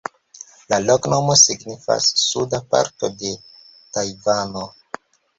La loknomo signifas: "suda parto de Tajvano".